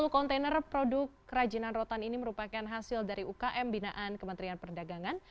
sepuluh kontainer produk kerajinan rotan ini merupakan hasil dari ukm binaan kementerian perdagangan